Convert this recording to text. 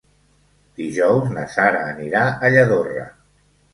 Dijous na Sara anirà a Lladorre.